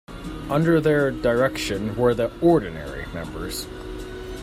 Under their direction were the 'ordinary' members.